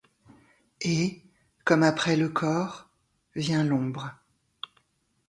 Et comme après le corps vient l'ombre